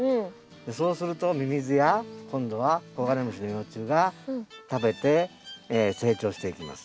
そうするとミミズや今度はコガネムシの幼虫が食べて成長していきます。